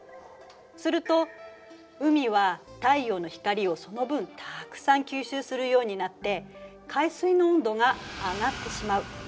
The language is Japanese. すると海は太陽の光をその分たくさん吸収するようになって海水の温度が上がってしまう。